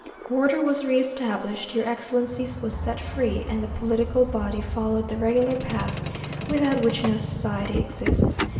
Order was re established, your Excellency was set free, and the political body followed the regular path, without which no society exists.